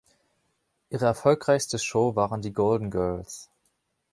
Ihre erfolgreichste Show waren die „Golden Girls“.